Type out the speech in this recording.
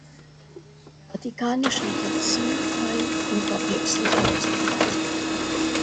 Vatikanischen Konzil teil und war päpstlicher Hausprälat.